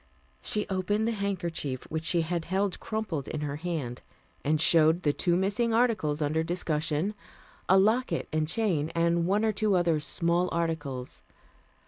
She opened the handkerchief which she had held crumpled in her hand, and showed the two missing articles under discussion, a locket and chain and one or two other small articles.